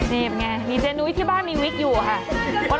นี่มีเจนุ้ยที่บ้านมีวิกอยู่ค่ะ